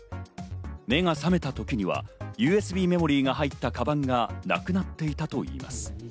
目が覚めた時にはＵＳＢメモリーが入ったかばんがなくなっていたといいます。